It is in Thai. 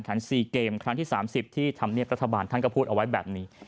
๔เกมครั้งที่๓๐ที่ธรรมเนียบรัฐบาลท่านก็พูดเอาไว้แบบนี้